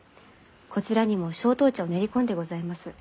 こちらにも松濤茶を練り込んでございます。